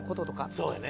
そうやね。